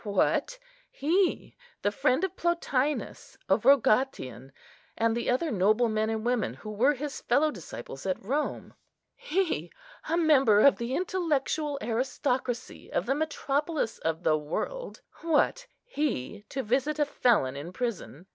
What, he, the friend of Plotinus, of Rogatian, and the other noble men and women who were his fellow disciples at Rome; he, a member of the intellectual aristocracy of the metropolis of the world; what, he to visit a felon in prison!